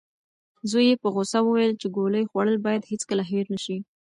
زوی یې په غوسه وویل چې ګولۍ خوړل باید هیڅکله هېر نشي.